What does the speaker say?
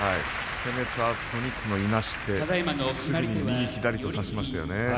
攻めたあとに、いなして右、左と差しましたよね。